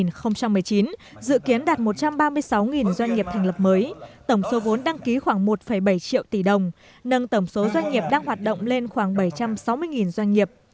năm hai nghìn một mươi chín dự kiến đạt một trăm ba mươi sáu doanh nghiệp thành lập mới tổng số vốn đăng ký khoảng một bảy triệu tỷ đồng nâng tổng số doanh nghiệp đang hoạt động lên khoảng bảy trăm sáu mươi doanh nghiệp